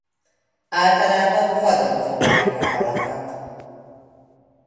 Általában vadon fogják a halakat.